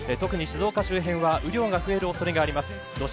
特に静岡周辺は雨量が増える恐れがあります。